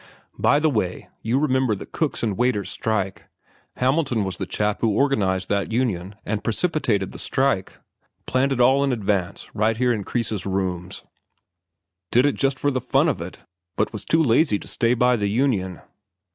By the way, you remember Cooks' and Waiters' strike—Hamilton was the chap who organized that union and precipitated the strike—planned it all out in advance, right here in Kreis's rooms. Did it just for the fun of it, but was too lazy to stay by the union.